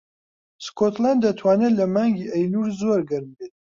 سکۆتلاند دەتوانێت لە مانگی ئەیلوول زۆر گەرم بێت.